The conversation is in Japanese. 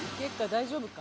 大丈夫か？